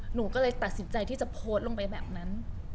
หนูก็เลยตัดสินใจที่จะโพสต์ลงไปแบบนั้น